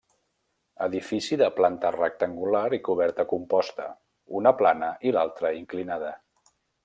Edifici de planta rectangular i coberta composta, una plana i l'altra inclinada.